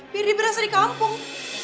biar berasa di kampung